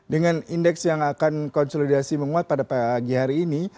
dengan indeks yang akan konsolidasi menguat pada pagi hari ini